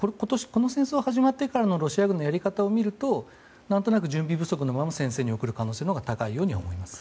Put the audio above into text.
この戦争が始まってからのロシア軍のやり方を見ると何となく準備不足のまま戦線に送る可能性のほうが高いと思います。